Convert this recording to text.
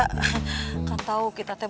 kak kan tau kita teh